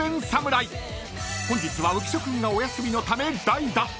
［本日は浮所君がお休みのため代打］